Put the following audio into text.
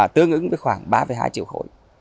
tương ứng với khoảng ba hai triệu khối